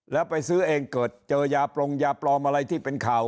แล้วไปซื้อเองเกิดเจอยาปรงยาปลอมอะไรที่เป็นข่าว